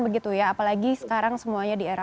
begitu ya apalagi sekarang semuanya di era